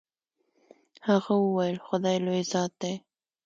هغه وويل خداى لوى ذات دې.